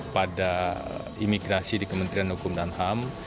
pada imigrasi di kementerian hukum dan ham